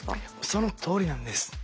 そのとおりなんです。